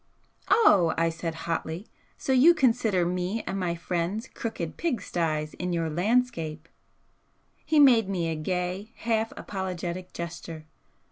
'Oh!' I said, hotly 'So you consider me and my friends crooked pigstyes in your landscape?' He made me a gay, half apologetic gesture.